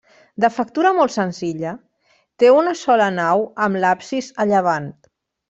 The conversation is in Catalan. De factura molt senzilla, té una sola nau amb l'absis a llevant.